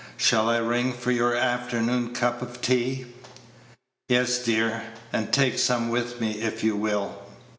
Shall I ring for your afternoon cup of tea?" "Yes, dear, and take some with me, if you will."